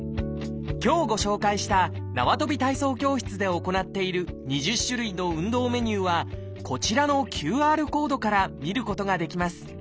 今日ご紹介したなわとび体操教室で行っている２０種類の運動メニューはこちらのＱＲコードから見ることができます。